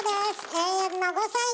永遠の５さいです。